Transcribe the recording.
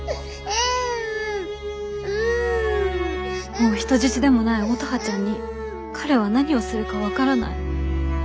もう人質でもない乙葉ちゃんに彼は何をするか分からない。